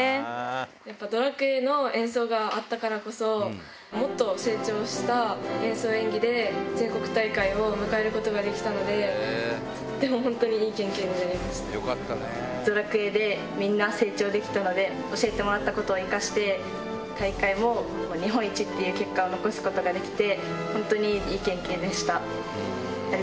やっぱドラクエの演奏があったからこそ、もっと成長した演奏演技で、全国大会を迎えることができたので、とっても本当にいい経験になドラクエでみんな成長できたので、教えてもらったことを生かして、大会も日本一っていう結果を残すことができて、本当にいい経験でした。